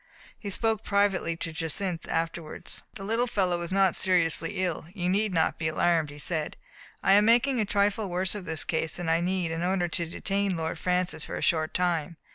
*' He spoke privately to Jacynth afterward. "The little fellow is not seriously ill ; you need not be alarmed," he said. ''I am making a trifle worse of his case than I need in order to detain Lord Francis for a short time.